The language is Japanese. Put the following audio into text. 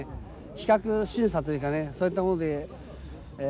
比較審査というかねそういったものでええ